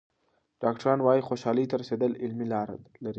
ډاکټران وايي خوشحالۍ ته رسېدل علمي لاره لري.